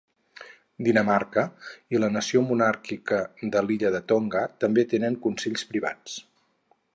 Dinamarca i la nació monàrquica de l'illa de Tonga també tenen Consells Privats.